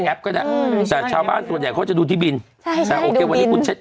ก็ได้อืมแต่ชาวบ้านส่วนใหญ่เขาจะดูที่บินใช่ค่ะแต่โอเควันนี้คุณเช็ด